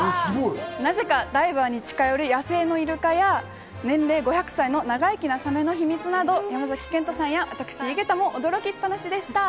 なぜかダイバーに近寄る野生のイルカや年齢５００歳の長生きなサメの秘密など、山崎賢人さんや私、井桁も驚きっ放しでした。